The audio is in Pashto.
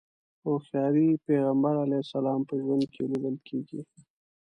هوښياري پيغمبر علیه السلام په ژوند کې ليدل کېږي.